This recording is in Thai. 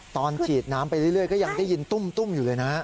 ฉีดน้ำไปเรื่อยก็ยังได้ยินตุ้มอยู่เลยนะ